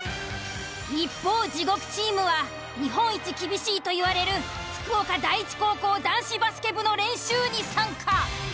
一方地獄チームは日本一厳しいと言われる福岡第一高校男子バスケ部の練習に参加。